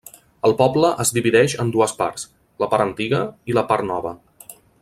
El poble es divideix en dues parts: la part antiga i la part nova.